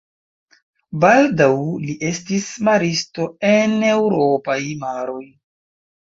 Baldaŭ li estis maristo en eŭropaj maroj.